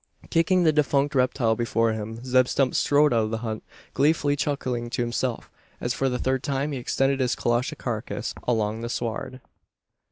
Kicking the defunct reptile before him, Zeb Stump strode out of the hut, gleefully chuckling to himself, as, for the third time, he extended his colossal carcase along the sward.